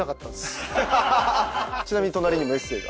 ちなみに隣にもエッセーが。